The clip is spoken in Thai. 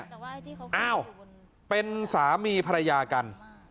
เอ่าเป็นสามีภรรยากัน